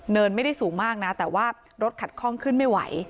ไม่ได้สูงมากนะแต่ว่ารถขัดคล่องขึ้นไม่ไหว